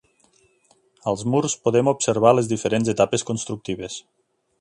Als murs podem observar les diferents etapes constructives.